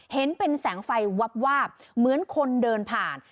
เห็นเป็นแสงไฟวับวาบเหมือนคนเดินผ่าน